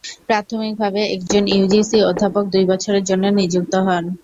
প্রাথমিকভাবে একজন ইউজিসি অধ্যাপক দুই বছরের জন্য নিযুক্ত হন।